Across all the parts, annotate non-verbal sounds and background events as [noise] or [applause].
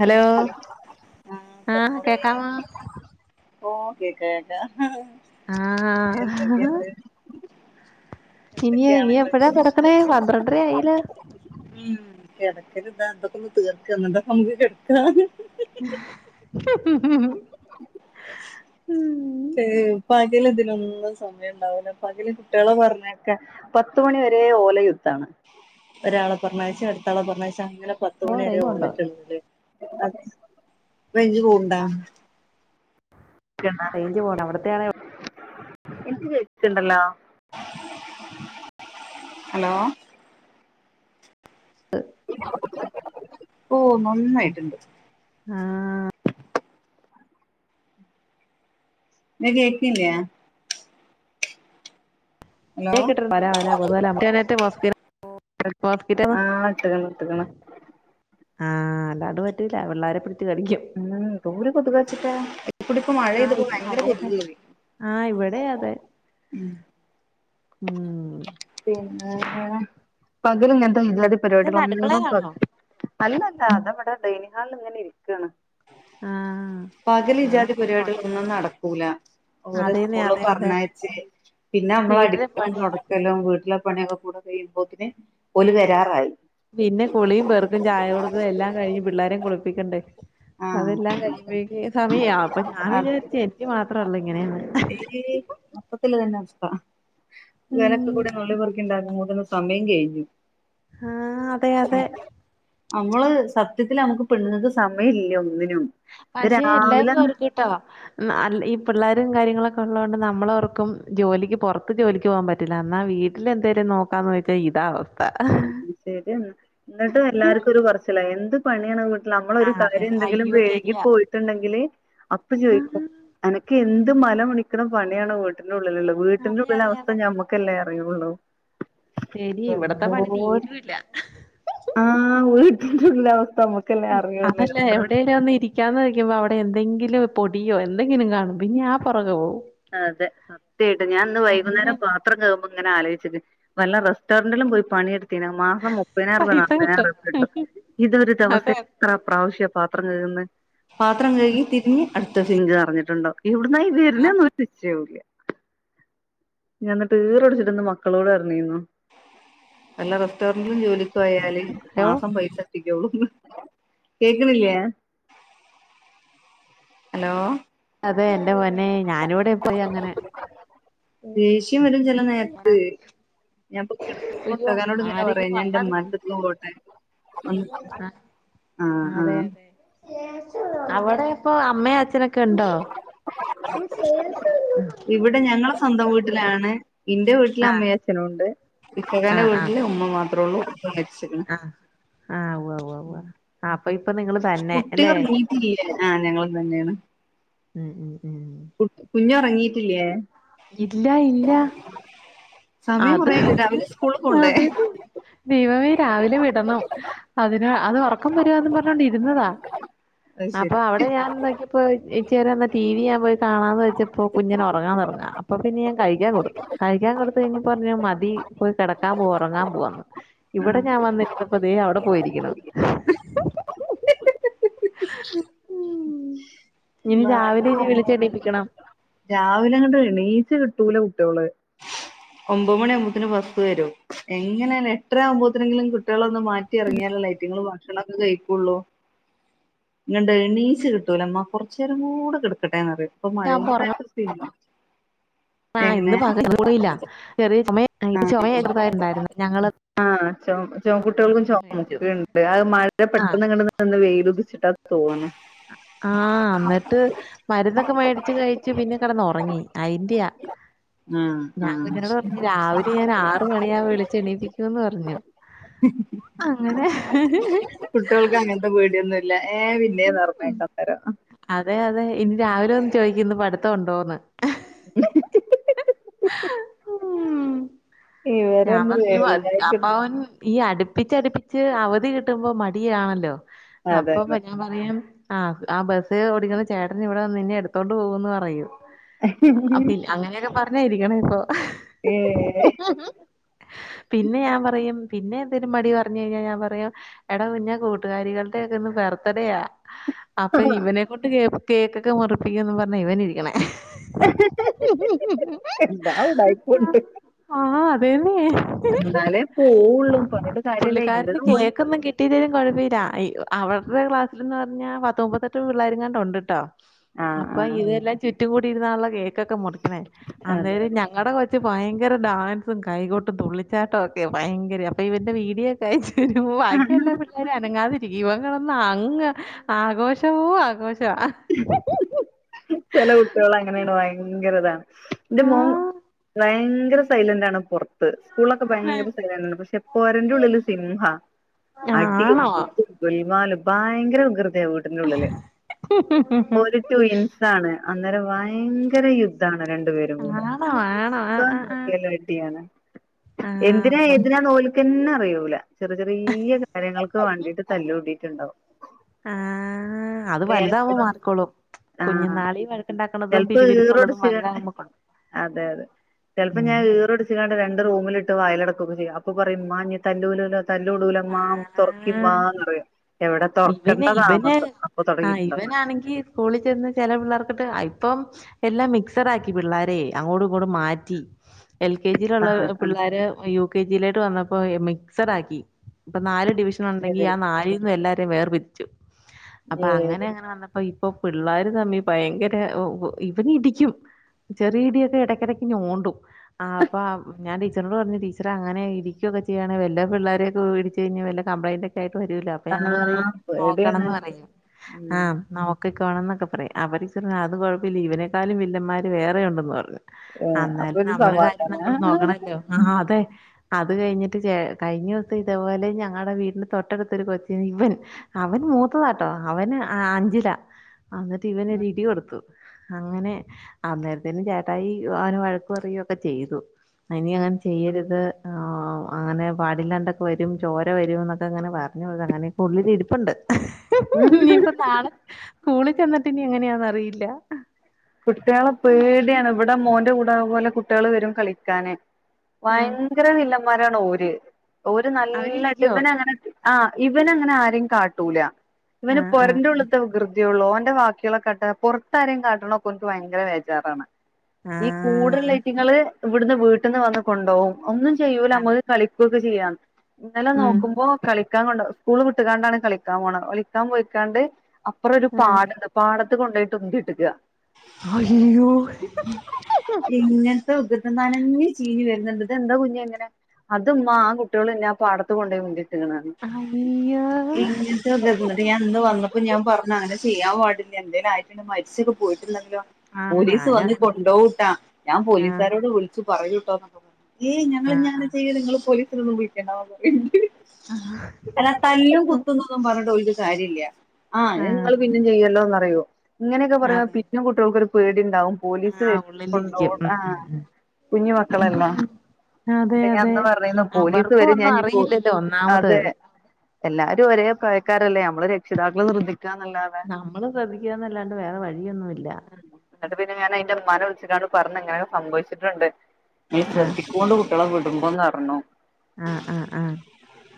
Hello ആഹ് കേക്കമോ ഓ കേക്ക്ണ്ട് ആഹ്ഹഹ്ഹ ഇനിയ എന്തൊക്കെയാണ് ഇനി നിങ്ങളെ എപ്പഴാ കിടക്കണേ പന്ത്രണ്ടര ആയിലോ മ് കെടക്കൽ താ എന്ധോക്കെ ണ് ത്തിർക്ക എന്നിട്ട് ക്കെ നമ്മക് കേടാകാ [unintelligible] [inaudible] ഹെ പകല് ഇതിലൊന്നും സമയം ഉണ്ടാവുല്ല പകല് കുട്ടികളെ പറഞ്ഞൊക്കാൻ പത്തുമണി വരെ ഒലെയുദ്ധണ് ഒരാളെ പറഞ്ഞായച്ച് അടുത്ത ആളെ പറഞ്ഞായച്ച് അങ്ങനെ ഓഹ് പത്ത്മണി വരെ റേഞ്ച് പോണ്ടോ ഓതിട്ടുണ്ട് അതെ റെയ്‌ജ്ജ് പോണ്ട റെയ്ഞ്ച് പോണ് അവിടുത്തെ ആണോ - എനിക്ക് കേ ക്കുണ്ടല്ലോ ഹലോ ഹ് ഓ നന്നായിട്ടുണ്ട് ആഹ് ന്നാ കേക്കിനില്ലേയ ഹലോ [unintelligible] ഹോസ്പിറ്റലാ ആഹ് ഇട്ട്ക്ക്ണ് ഇട്ട്ക്ക്ണ് ആഹ് അല്ലാണ്ട് പറ്റില്ല പിള്ളാരെ പിടിച് കളിക്കും ഉഹ് ന്തൊരു കൊതുകച്ചിട്ടാ ഇവിടെ ഇപ്പോ ആഹ് ഈ മഴപെയ്യ്തപ്പോ ഭയങ്കര മഴയൊക്കെ കൊതുകേറി ആഹ് ഇവിടെ അതെ ഉം മ് പിന്നെ പകല് ഇങ്ങനത്തെ ഈജാതി ഇതെന്നാ പരിപാടികളോന്നും അടുക്കളയിലാണോ [unintelligible] അല്ലല്ല താ ഇവിടെ ഡൈനിഹാളിൽ ഇങ്ങനെ ഇരിക്കണ് ആഹ് പകല് ആഹ് ഇജാതി പരിപാടികൾ ഒന്നും നടക്കൂല ഓരോ അതേന്നെ സ്കൂളിലും അതെ അതെ പറഞായച് പിന്നെ നമ്മള വീട്ടിലെ അടിക്കലും പണി തോട ക്കലും വീട്ടിലെ പണിയൊക്കെ കൂടെ കഴിയുമ്പോത്തിന് ഓല് വരാറായി പിന്നെ കുളിയും പേർക്കും ചായ കൊടുക്കേ എല്ലാം കഴിഞ്ഞ് പിള്ളോരെ കുളിപ്പിക്കണ്ടേ ആഹ് അതെല്ലാം കഴിയുമ്പോഴേക്ക് സമയവും അപ്പൊ ഞാൻ അതെ വിചാരിച്ചു എനിക്ക് മാത്രള്ളൂ ഇങ്ങനെയന്ന് ഈ മൊത്തത്തില് ഇത്തന്നെ അവസ്ഥ ഉം [unintelligible] [unintelligible] സമയം കഴിഞ്ഞു ആഹ് അതെ അതെ നമ്മള് സത്യത്തില് നമ്മുക്ക് പെണ്ണുങ്ങൾക്ക് സമയം ഇല്ല ഒന്നിനും ഇത് രാവിലെന്നെ ട്ടോ അ ഈ പിള്ളേരും കാര്യങ്ങളൊക്കെ ഉള്ളൊണ്ട് നമ്മളോർക്കും ജോലിക്ക് പുറത്ത് ജോലിക്ക് പോകാൻ പറ്റ ല്ലാന്ന എന്നാ വീട്ടില് എന്തേലും നോക്കാന്ന് വെച്ചാൽ ഇതാ അവസ്ഥ ഉഹ് ശരിയെന്ന് എന്നിട്ട് എല്ലാർക്കും ഒരു പറച്ചിലാ എന്ത് പണിയാണ് നമ്മള ഒരു ആഹ് അതെ കാര്യം അതെ എന്തെങ്കിലും അയ്യോ വൈകി ശരിയാ പോയിട്ടുണ്ടെങ്കില് അപ്പൊ ആ, ചോയിക്കും അനക്ക് എന്ത് മലമണിക്കണ പണിയാണ് വീട്ടിനുള്ളിലുള്ളത് വീട്ടിന്റെ അതെ ഉള്ളില അതെ അവസ്ഥ അതെ ഞമ്മുക്കല്ലേ അറിയുള്ളൂ ശരി ഇവിടത്തെ പണി എന്തോര് തീരുല്ല ആഹ് വീട്ടിലുള്ള അവസ്ഥ നമ്മുക്കല്ലേ അറിയു എത്ര ഒന്നിരി ഇരിക്കാനുവയ്ക്കുമ്പോൾ അവിടെ എന്തെങ്കിലും പൊടിയോ എന്തെങ്കിലും കാണും പിന്നെ ആ പുറകെ പോകും. അതെ സത്യമായിട്ട് ഞാൻ ഇന്ന് അങ്ങനെ വൈകുന്നേരം പാത്രം കഴുകുമ്പ അങ്ങനെ ആലോയിച്ചത് വല്ല റെസ്റ്റോററ്റിലും പോയി പണിയെടു പിന്നെ മാസം മുപ്പതിനായിരം രൂപ നാപ്പതിനായിരം രൂപ കിട്ടും ഇതൊരു ദിവസം അതെ എത്ര പ്രാവശ്യ പാത്രം കഴുകുന്നത് പാത്രം കഴുകി തിരിഞ്ഞ് അടുത്ത സിങ്ക് നിറഞ്ഞിടുണ്ടാകും. എവിടുന്നാ ഇതുവരുന്നതെന്ന് ഒരു നിശ്ചയവുഇല്ല ഞാൻ ഇന്നട്ട് ഈറട് പുട്ച്ച്ട്ട് ഇന്ന് മക്കളോട് പറഞ്ഞിര്ന്നു വല്ല റെസ്റ്റോറന്റിലും ജോലിക്കു പോയാൽ അയ്യോ മാസം പൈസട്ടിക്കോളൂന്ന്. കേക്കണില്ലേ? ഹലോ അതെ എന്റെ പൊന്നെ ഞാനിവിടെ ഇപ്പയും അങ്ങനെ. ദേഷ്യം വരും ചില നേരത്ത് ഞാൻ ഇപ്പൊ കിടക്കുബെ അയ്യോ ഇക്കാകാനോട് ഇങ്ങനെ പറയാ ആരെങ്കിലും ഞാൻ വന്നാ എന്റെ പിന്നെ ഉമ്മാന്റെ അടുത്ത് ട്ടെ ആഹ് ആഹ് അവിടെപ്പൊ അമ്മയും അച്ഛനൊക്കെ ഉണ്ടോ ഇവിടെ ഞങ്ങളെ സ്വന്തം വീട്ടിലാണ്. ഇന്റെ വീട്ട വീട്ടിൽ ആ അമ്മയും അച്ഛനും ഉണ്ട് ആ കിക്കകന്റെ വീട്ടിലെ ഉമ്മ മാത്രെയുള്ളൂ. ഉപ്പ മരിച്ചിരുന്നു. ആഹ് ഉവ്വ് ഉം ആഹ് അപ്പൊ ഇപ്പൊ നിങ്ങള് തന്നെ അല്ലെ ല്ല ആഹ് ഞങ്ങളും തന്നെയാണ് ഉം ഉം ഉം ഉം. കു കുഞ്ഞു ഇറങ്ങിട്ടില്ലേ? ഇല്ല ഇല്ല അത് അതെന്നു. ദൈവമേ രാവിലെ വിടണം. അതിന് അത് ഉറക്കം വരുകാന്നു പറഞ്ഞോണ്ട് ഇരുന്നതാ. അത് അപ്പൊ ശരി അവിടെ ഞാൻ നോക്കിയപ്പോൾ ഇപ്പോൾ ഇച്ചിരിനേരം എന്നൽ ടിവി ഞാൻ പോയിണമന്ന് വെച്ചപ്പോൾ കുഞ്ഞിന് ഉറങ്ങാൻതുടങ്ങാ അപ്പോൾ പിന്നെ ഞാൻ കഴിക്കാൻ കൊടുതു. കഴിക്കാൻ കൊടുത്തുകഴിഞ്ഞപ്പോൾ പറഞ്ഞു മതി പോയി കിടക്കാൻ പോക ഉറങ്ങാൻ പോവാന്ന്. ഇവിടെ ഞാൻ ആഹ് വന്നിരുന്നപ്പ ദേ അവിടെ പോയിരിക്കണു ഇന്ന് രാവിലെ ഇനി വിളി രാവിലെ അങ്ങട്ട് എണീച്ച് കിട്ടുല കുട്ടികളെ ഒമ്പത് മണി ആവുമ്പോത്തിന് ബസ് വരും. എങ്ങനെ എട്ടര ആകുമ്പോത്തിനെങ്കിലും കുട്ടികളൊന്ന് മാറ്റ കുത്തി ഇറങ്ങിയാലല്ലേ ഇവറ്റകൾ ഭക്ഷണം ഒക്കെ കഴിക്കുള്ളൂ. ആ അങ്ങട് എണീച്ച് കിട്ടൂല്ലാ. അമ്മ കുറച്ചു നേരം കൂടെ കിടക്കട്ടെന്ന്പറയും. ഇപ്പം മഴ ഉച്ചയാകുമ്പോ കൂടി ആഹ് ഇന്ന് പക കൂടല്ല ചെറിയ ചുമ ഇത് ചുമ എതാരുണ്ടായിരുന്ന ഞങ്ങള് ആഹ ച ചുമ കുട്ടികൾക്കും മേടിച്ചു. ചുമകെയുണ്ട്. ആ മഴ ആഹ് പെട്ടെന്ന് അന്ന് വെയിയിലുദിച്ചിട്ടാ തോന്നേ ആഹ് അന്നിട്ട് മരുന്നൊക്കെ മേടിച്ച് കഴിച്ചു. പിന്നെ കിടന്ന് ഉറങ്ങി അതിന്റെയാ. ആഹ് ഞാൻ ആഹ് കുഞ്ഞിനോട് ശരി പറഞ്ഞു രാവിലെ ഞാൻ ആറു മണിയാകുമ്പോൾ ഞാൻ വിളിച്ചു എണീപ്പിക്കൂന്ന് പറഞ്ഞു. അങ്ങനെ പേടിയൊന്നും ഇല്ല ഏഹ് പിന്നേ നിറഞ്ഞേക്കാം തരം അതെ അതെ ഇന്ന് രാവിലെ വന്ന് ചോദിക്കുന്നു പഠിത്തം ഉണ്ടോന്ന്. ഉ ഉം ഞാൻ ഇവരൊന്നും പറഞ്ഞു അപ്പ വേണ്ടായിട്ടൊന്നും അവൻ ഈ അടുപ്പിച്ചടുപ്പിച്ച് അവധി കിട്ടുമ്പോ മടിയാണല്ലോ അതെ അപ്പൊ അതെ ഞാൻ ആഹ് ആ ബസ്സ് ഓടിക്കുന്ന ചേട്ടന് ഇവിടെ നിന്നെ എടുത്തോണ്ട് പോകൂന്ന് പറയും. ഉ പിന്നെ അങ്ങനെയൊക്കെ പറഞ്ഞാ ഇരിക്കണെ ഇപ്പൊ ഏഹ് പിന്നെ ഞാൻ പറയും പിന്നെ എന്തെലും മടി പറഞ്ഞ ഞാൻ പറയും എടാ കുഞ്ഞ കൂട്ടുകാരികളുടെ ഒക്കെ ഒന്ന് ബെർത്തഡയാ അപ്പൊ ഇവനെക്കൊണ്ട് കേ കേക്കൊക്കെ മുറപ്പിക്കന്ന് പറഞ്ഞ ഇവൻ ഇരിക്കണേ എല്ലാ ഉഡായിപ്പുണ്ട് ആ അതേന്നെ എന്നാലേ പോള്ളൂ പർന്ന്‌ ട്ട് കാര്യംല്ല എന്റെ [inaudible] ട്ടീലേലും കുഴപ്പല്ല അവരുടെ ക്ലാസിവാന്ന് പറഞ്ഞാ പത്ത് മുപ്പത്തെട്ട് പിള്ളേർ എങ്ങാണ്ട് ഉണ്ട് ട്ടോ ആഹ് അപ്പൊ ആഹ് ഇതെല്ലാം ചുറ്റും കൂടി ഇരുന്നുള്ള കേക്കൊക്കെ മുറിക്കണേ അതെ അന്നേരം ഞങ്ങടെ കൊ [inaudible] ഭയങ്കര ഡാൻസും കൈകോട്ടും തുള്ളിച്ചാട്ടം ഒക്കെ ഭയങ്കര അപ്പൊ ഇവന്റെ വീഡിയോ ക്കെ അയച്ചരി ബാക്കിയല്ല എ അനങ്ങാതിരിക്കും ഇവൻ കെടന്ന് അങ്ങ് ആഘോഷവോ ആഘോഷവാ ചെല കുട്ടികള് അങ്ങനെണ് ഭയങ്കര ഇതാ എന്റെ ആ മോ ഭയങ്കര സൈലന്റാണ് പൊർത്ത് സ്കൂളൊക്കെ ഭയങ്കര [unintelligible] സഥലാണ് പക്ഷെ പൊരന്റെ ഉള്ളില് സിംഹ അടിയും ആണോ കുത്തും ഗുൽമാല് ഭയങ്കര വികൃതിയാ വീട്ടിന്റെ ഉള്ളില് ഒരു ട്വിൻസ് ഇതാണ് അന്നേരം ഭയങ്കര യുദ്ധാണ് രണ്ടു പേരും കൂടെ ആണോ ആണോ ആ ആ ആ [unintelligible] ആ എന്തിനാ ഉവ്വ ഉവ്വ എതിനാ ഓൽക്കന്നെ അറിയൂല ചെറിയെ ചെറിയെ കാര്യങ്ങൾക്ക് വേണ്ടിട്ട് താല്ലൂടിട്ടുണ്ടാവും ആഹ് അത് വലുതാവുമ്പ മാറിക്കോളും. കുഞ്ഞു ആഹ് നാളിൽ വഴക്കുണ്ടാക്കുന്നതും ചെലപ്പോ പിരിവിരിപ്പ് ഉള്ളതും ഈറൊടിച്ച് വലുതാകുംപ [inaudible] ഉം തീറടിച്ചാണ്ട് രണ്ട് റൂമിലിട്ട് വയിലടക്കും ചെയ്യും അപ്പൊ പറയും ഉമ്മ ഇനി തല്ലൂലു തല്ലൂടുല്ല മ്മാ ആഹ് തൊറക്കിമ്മാന്ന്‌ പറയും എവിടെ തുറക്കണ്ട ഇവന് ഇവന് താമസം അപ്പൊ ആഹ് തുടങ്ങിട്ടുണ്ടാവും അവിടുത്തെ ഇവനാണെങ്കി സ്കൂളിൽ ചെന്ന് ചില പിള്ളേർക്കിട്ട് ആ ഇപ്പം എല്ലാം മിക്സട് ആക്കി പിള്ളരേ അങ്ങോടും ഇങ്ങൂടും മാറ്റി എൽ കെ ജിയിലുള്ള ആഹ് ആഹ് പിള്ളാര് യു കെ ജിയിലേട്ട് വന്നപ്പോ മിക്സടാക്കി ഇപ്പൊ നാല് ഡിവിഷൻ ഉണ്ടെങ്കി ശരി ആ നാലിൽ നിന്നും എല്ലാരേം വേർ തിരിച്ചു അപ്പൊ ഏഹ് അങ്ങനെ അങ്ങനെ വന്ന അ ഇപ്പൊ പിള്ളേര് തമ്മി ഭയങ്കര ഇവനിടിക്കും ചെറിയ ഇടിയൊക്കെ ഇടയ്ക്കിടക്ക് ഞോണ്ടും ആ അപ്പ ഞാ ടീച്ചറിനോട് പറഞ്ഞു ടീച്ചറെ അങ്ങനെ ഇടിക്കുവൊക്കെ ചെയ്യാണെ വല്ല പിള്ളെരേം ഓ ഇടിച്ച് കഴിഞ്ഞ് വല്ല കമ്പ്ലൈന്റ് ഒക്കെ ആയിട്ട് വരൂല്ലോ അപ്പൊ ഞങ്ങള് ആഹ് പറയും പേടിയാണ് നോക്കണംന്ന് പറയും ഉം ആ നോ [unintelligible] എന്നൊക്കെ പറയാം അവർ ടീച്ചർ പറഞ്ഞു അത് കുഴപ്പമില്ല ഇവനെക്കാളും വില്ലന്മാർ വേറെയുണ്ടെന്ന് പറഞ്ഞു ഏഹ് അപ്പൊ അന്നാലും ഒരു നമ്മള കാര്യം സമാധാനാ നമ്മള് നോക്കണല്ലോ ആഹ് അതെ അത് കഴിഞ്ഞിട്ട് കഴിഞ്ഞു ഇതേപോലെ ഞങ്ങളുടെ വീടിന് തൊട്ടടുത്തൊരു കൊച്ചിനെ ഇവൻ അവൻ മൂത്തതാട്ടോ അവന് അഞ്ചിലാ എന്നിട്ട് ഇവനൊരിടി കൊടുത്തു അങ്ങനെ അന്നേരത്തിന് ചേട്ടായി അവന വഴക്ക് പറയുക്കെ ചെയ്തു ഇനി അങ്ങനെ ചെയ്യരുത് അങ്ങനെ പാടില്ലാണ്ട വരും ചോര വരും എന്നൊക്കെ അങ്ങനെ പറഞ്ഞ് അങ്ങനെയൊക്കെ ഉള്ളിൽ ഇരിപ്പുണ്ട് ഇനിയിപ്പ നാളെ സ്കൂളിൽ ചെന്നിട്ട് ഇനി എങ്ങനെയാന്ന് അറിയില്ല കുട്ടിയാളെ പേടിയാണ് ഇവിടെ മോന്റെ കൂടെ അ പോലെ കുട്ടിയള് വരും കളിക്കാന് ആ, വയങ്കര വില്ലന്മാരാണ് ഓര് ഓര് നല്ല അവരിടിക്കോ [unintelligible] അങ്ങനെ ആഹ് ഇവന അങ്ങനെ ആരെയും കാട്ടൂല ആ ഇവന് ആ പൊരന്റെ ഉള്ള്ത്തെ വികൃ തിയൊള്ളു അവന്റെ വാക്കികളൊക്കെട്ട പുറത്താരിം കാട്ടണക്കെ ഓന്ക്ക് ഭയങ്കര വേജാറാണ് ആ ഈ കൂടല്ലേറ്റങ്ങള് ഇവിടുന്ന് വീട്ടിന്ന് വന്ന് കൊണ്ടോകും ഒന്നും ചെയ്യൂല ആ, നമ്മ കളിക്കുകൊക്കെ ചെയ്യാം ഇന്നലെ ഉം നോക്കുമ്പോ കളി സ്കൂള് വിട്ടുകാണ്ടാണ് കളിക്കാൻ പോണ് കളിക്കാൻ പോയിക്കാണ്ട് അപ്പറം ഒരു ഉം പാടുണ്ട് പാടത്ത് കൊണ്ടോയിട്ടു ഉന്തിട്ടിക്ക അയ്യോ ഇങ്ങനത്തെ ക് ത നനഞ്ഞ് ചീഞ്ഞ് വരുന്നുണ്ട് എന്താ കുഞ്ഞാങ്ങനെ അത് മ്മാ ആ കുട്യേള്ന്നെ ആ പാടത്തു കൊണ്ടേയുന്തിട്ടു. [unintelligible] അയ്യോ ഇങ്ങനത്തെ വികൃതി ന്ന് വന്നപ്പോ ഞാൻ പറഞ്ഞു അങ്ങനെ ചെയ്യാൻ പാടില്ല എന്തേലും ആയിട്ടുണ്ടെങ്കി മരിച്ചൊക്കെ പോയിറ്റ്ണ്ടെങ്കിലോ ആ പോലീസ് ഞാനും വന്ന് അങ്ങനെ കൊണ്ടോവുട്ടാ ഞാൻ ആ പോലീസാരോട് വിളിച്ചു പറയൂട്ടോന്ന് ഏയ് ആ ആ ഞങ്ങളിഞങ്ങനെ ചെയ്യൂല ങ്ങള് പോലീസിനൊന്നും വിളിക്കേണ്ടാന്ന് പറിണ്ട് അല്ല തല്ലും കുത്തുന്നൊന്നും പറഞ്ഞിട്ട് ഓല്ക്ക് കാര്യല്ല ആഹ് ആ ത്ങ്ങള് പിന്നേംചെയ്യല്ലോന്ന്റിയോ ഇങ്ങനെയൊക്കെ പറയാ അതെ പിന്നെം കുട്യൾക്കൊരു പേടിണ്ടാവും പോലീസ് ആഹ് വരും ഉള്ളിലിരിക്കും ഉം കൊണ്ടവുട്ടാ ഉം ഉം കുഞ്ഞു മക്കളല്ലേ അതെ അതെ ൻ്റന്ന് പറഞ്ഞേന്നു പോലീസ് അവർക്കും വരും ഒന്നും ഞാനിപ്പോ അറിയില്ലല്ലോ ഒന്നാമത് അതെ എല്ലാരും ഒരേ പ്രയക്കാരല്ലേ നമ്മള് രക്ഷിതാക്കള് ശ്രദ്ധിക്കാന്നല്ലാതെ നമ്മള് ശ്രദ്ധിക്കാന്നല്ലാണ്ട് വേറെ വഴിയൊന്നുല്ല ന്നട്ട് പിന്നെ ഞൻ അയിന്റെമ്മാനെ വിളിച്ച്ങ്കാണ്ട് പറഞ്ഞ്ങ്ങനൊക്കെ സംഭവിച്ചിട്ടുണ്ട് ഒന്ന് ആഹ് ശ്രദ്ധിക്കോണ്ടു [unintelligible] വിടുംബോംന്നറഞ്ഞു ആഹ് ആഹ് ആഹ്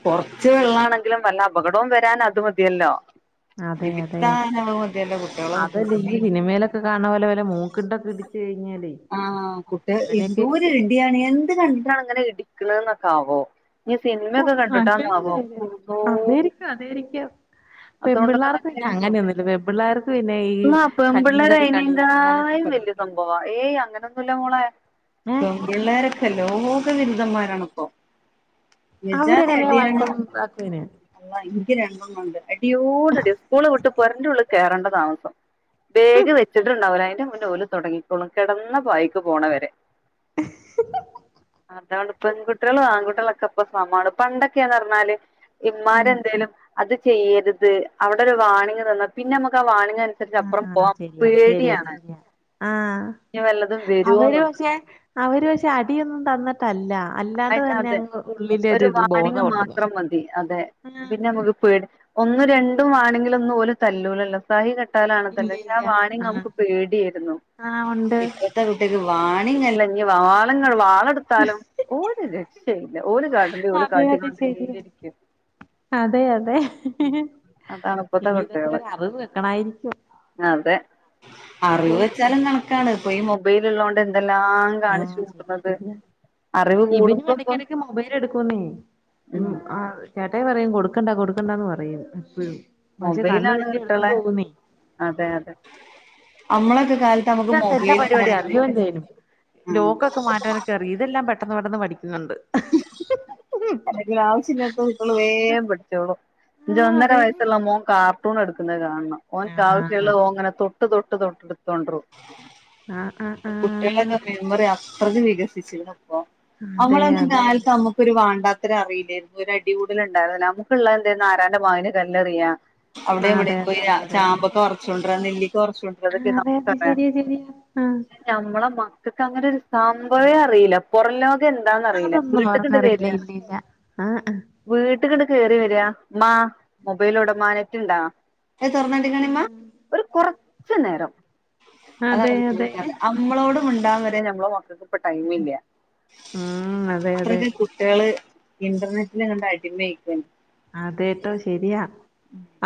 കൊറച്ച് വെള്ളാണെങ്കിലും വല്ലപകടവും വരാൻ അത് മതിയല്ലോ അതെ അതെ നിതിത്താ നോ മതിയല്ല കുട്ടൃളെ കുട്ടി കാണ പോലെ വല്ല മൂക്കുണ്ടൊക്കെ ഇടിച്ച് കഴിഞ്ഞാലേയ് ആഹ് കുട്ട്യേ എന്തോര്ടിയാണ് എന്ത് കണ്ടാണ്ങ്ങനെ ടിക്ക്ണ്ന്നൊക്കാവോ ഞ്ഞ് ഓ സിനിമൊക്കെ കണ്ടിട്ടാന്നാവോ ന്തോ അതേരിക്കും പെൺ പിള്ളേർക്ക്ന്നെ അങ്ങനൊന്നുല്ല പെൻപിള്ളേർ ന്നാ പേമ്പിള്ളേര് അങ്ങനത്തെ അയ്നേങ്കായും വല്യ പണിയൊക്കെയാ സംഭവാ ഏയ് അങ്ങനൊന്നു ല്ല മോളെ ഏഹ് പെമ്പിള്ളേരൊക്കെ ലോകവിരുദ്ധന്മാരണിപ്പൊ എജ്ജാതി അവരങ്ങനെ അടിയാണ് വഴക്കൊന്നും ഇതാക്കുവേല അള്ള എനിക്ക് രണ്ടണണ്ട് അടിയോടടി സ്കൂള് വിട്ട് പൊരന്റുള്ള് കേറണ്ട താമസ ബേഗ് വെച്ചിട്ടുണ്ടാവൂല അതിന്റെ മുന്നേ ഓല് തൊടങ്ങിക്കോളും കെടന്ന് പായീക്ക് പോണവരെ അതാണ് പെൺകുട്ടൃളും ആൺകുട്ട്യളൊക്കെ പ്പ സമാണ് പണ്ടൊക്കെർന്ന് പറഞ്ഞാല് ഉം ഇമ്മാരെന്തേലും അത് ചെയ്യരുത് അവിടെ ഒരു വാണിങ്ങ് തന്നാ പിന്നെ നമ്മക്കാ ആ വാണിങ്ങ ആഹ് ചെരിയാ ചെരിയാ ചെരിയാ ആഹ് ഇനി വല്ലതും അവര് വരുവോന്നുള്ളത് പക്ഷെ അവര് പഷെ അടിയൊന്നും തന്ന് തല്ല അല്ലാതെ അ- തന്നെ അതെ അങ്ങ് ഒരു ഉള്ളിലോരുത് ബോന്ന വാണിംഗ് കൊട്ടുന്നു മാത്രം മതി അതെ പിന്നെ നമ്മക്ക് പേടി ഒന്നും രണ്ടും വാണിങ്ങിലൊന്നും ഓലെ തല്ലൂലല്ലോ സഹി കെട്ടാലാണ് തല്ല ഇല്ല പക്ഷെ ആ ഇല്ല വാണിങ് ആഹ് നമക്ക് പേട്യയിരുന്നു ആഹ് ഉണ്ട് ഇപ്പ ഇത്ത കുട്ടിക്ക് വാണിങ്ങല്ല ഇഞ്ഞ് വാളങ്ങ വാളെടുത്താലും ഒരു രക്ഷയില്ല ഓല് കാട്ടണ്ടത് ഓല് കാട്ടികൊണ്ടേയിരിക്കും അതെയതെ അതാണ് ഇപ്പത്തെ ഇനി ഇതൊക്കെ കുട്ടികള് ഒരറിവ് വെക്കണായിരിക്കും അതെ അറിവ് ഓഹ് വെച്ചാലും കണക്ക ക്കാണ് ഇപ്പൊ ഈ മൊബൈല് ഇള്ളോണ്ട് എന്തെല്ലാം കാണിച്ചൂട്ട്ന്നത്. ഇബനും ഏടക്കെടക്ക് മൊബൈല് എടുക്കൂന്നേ ഉം ആ ചേട്ടായി പറയും കൊടുക്കണ്ട കൊടുക്കണ്ടാന്ന് പറയും പ്പ് പക്ഷെ കണ്ണ് തെറ്റിയാ എടുത്തോണ്ട് പോവുന്നേ അതെയതെ അമ്മളൊക്കെ കാലത്ത് അമ്മക്ക് ഇതിനകത്ത് എല്ലാ മൊബൈല് പരിപാടിയും ണ്ടായിരുന്നില്ല, അറിയോം ആ കറി ഇതെല്ലാം പെട്ടന്ന് പെട്ടന്ന്‌ പഠി [inaudible] അല്ലങ്കിലും ആവശ്യില്ലാത്തത് കുട്ടിയേള് വേം പടിച്ചോളും ആഹ് ൻ്റൊന്നര അതേന്നെ വയസ്സുള്ള മോൻ കാർ ട്ടൂണ് എടുക്കുന്നുന്നത് കാണണം ആഹ് ഓൻക്കാവശ്യള്ളത് ഓങ്ങനെ തൊട്ട് തൊട്ട് തൊട്ട് ടുത്തോണ്ട്റും ആഹ് ആഹ് പ്പൊ ആഹ് കുട്ടൃയേളൊക്കെ മെമ്മറി അത്രക്ക് വികസിച്ചിക്ക്ണ് പ്പൊ അതേയതെ നമുക്കൊരു വണ്ടാത്തര റിയില്ലായിരുന്നു ഒരു അടികൂടല് ഉണ്ടായിരുന്നില നമുക്ക്ള്ള തെന്തേര്ന്നു ആരാൻ്റെ മാവില് കല്ലെറിയാ അവടെം ആഹ് അതെ ഇവടെയും അതെ പോയി അതെ അതെ അതെ ചാമ്പക്ക പറിച്ചോണ്ടര നെല്ലിക്ക പറിച്ചോണ്ട് ആഹ് അതെ അതെ ശെരിയാ ശെരിയാ. ആഹ് ഞമ്മളെ മക്കക്കങ്ങനെ ഒരു സംഭവേയറിയില്ല. പൊറം ലോകം എന്താന്നറിയില്ല. ഒന്നും വീട്ട്ക്കിണ്ട് മറന്നതേ ഇല്ല, ഇല്ല, ഇല്ല ആഹ്. വീട്ട്ക്ണ്ട് കേറി വെരിയാ. ഉമ്മാ മൊബൈൽ എവെടെ മ്മാ നെറ്റ്ണ്ട? ത് തൊർന്നാട്ടി കാണിമ്മ ഒരു കൊർച്ച് നേരം ആഹ് അതെ അതാണ് അതെ ചോദിക്കാന്നേ. മ്മളോട് മിണ്ടാവെരെ നമ്മളെ മക്കൾക്കിപ്പ ടൈമില്ല. ഉം അതെ അതെ അത്രക്ക് കുട്ടേള് ഇന്റർനെറ്റില് കണ്ട് അടിമയേക്കാണ്. അതേട്ടോ ശെരിയാ.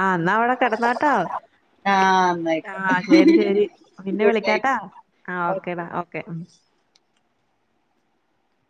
ആഹ് ന്നാ അവടെ കെടന്നോട്ടോ. ആഹ് ന്നായിക്കോട്ടെ ആഹ് ശരി ശരി പിന്നെ ഗുഡ് വിളിക്കാട്ടോ നൈറ്റ് ആ ഓക്കേടാ ഓക്കെ ഉം